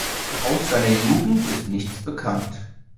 Aus seiner Jugend ist nichts bekannt.